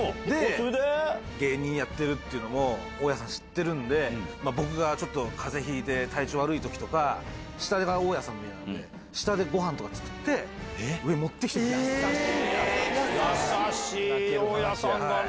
芸人やってるっていうのも、大家さん知ってるんで、僕がちょっと、かぜひいて、体調悪いときとか、下が大家さんの家なんで、下でごはんとか作って、優しい大家さんだね。